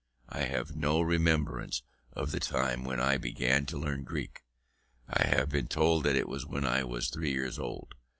I have no remembrance of the time when I began to learn Greek; I have been told that it was when I was three years old.